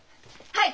はい！